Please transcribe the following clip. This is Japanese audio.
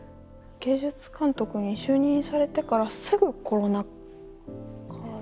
芸術監督に就任されてからすぐコロナ禍。